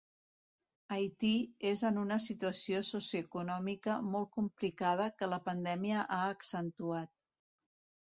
Haití és en una situació socioeconòmica molt complicada que la pandèmia ha accentuat.